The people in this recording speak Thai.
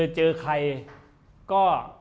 เจอใครก็